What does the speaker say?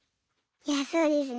いやそうですね。